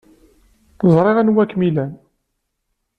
Ẓriɣ anwa kem-ilan.